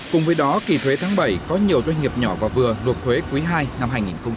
cùng với đó kỳ thuế tháng bảy có nhiều doanh nghiệp nhỏ và vừa nộp thuế quý hai năm hai nghìn một mươi chín